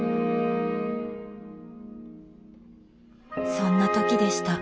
そんな時でした。